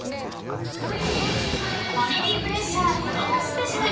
ファミリープレッシャー子供スペシャル。